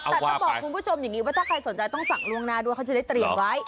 แต่ต้องบอกคุณผู้ชมอย่างนี้ว่าถ้าใครสนใจต้องสั่งล่วงหน้าด้วยเขาจะได้เตรียมไว้